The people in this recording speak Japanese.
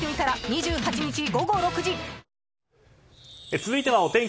続いてはお天気